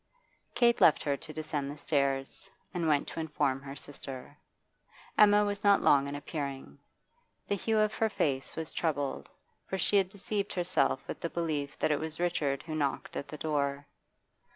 Kate left her to descend the stairs, and went to inform her sister. Emma was not long in appearing; the hue of her face was troubled, for she had deceived herself with the belief that it was Richard who knocked at the door.